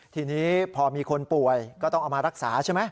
ทีนี้พอมีคนป่วยก็ต้องเอามารักษาใช่ไหม